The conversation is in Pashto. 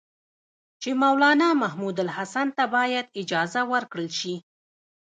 چې مولنا محمودالحسن ته باید اجازه ورکړل شي.